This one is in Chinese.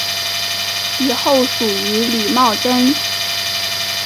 其后属于李茂贞。